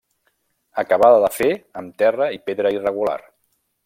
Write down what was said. Acabada de fer amb terra i pedra irregular.